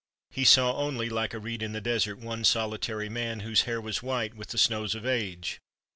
He saw only, hke a reed in the desert, one solitary man, whose hair was white with the snows of age.